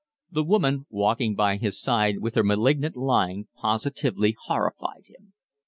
The woman walking by his side with her malignant lying positively horrified him.